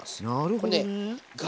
これねガ